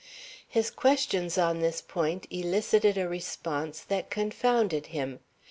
His questions on this point elicited a response that confounded him.